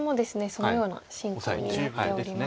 そのような進行になっております。